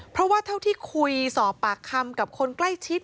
เพราะว่าเท่าที่คุยสอบปากคำกับคนใกล้ชิด